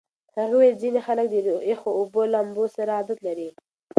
هغې وویل ځینې خلک د یخو اوبو لامبو سره عادت لري.